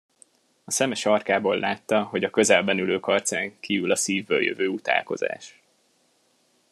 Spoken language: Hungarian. A szeme sarkából látta, hogy a közelben ülők arcán kiül a szívből jövő utálkozás.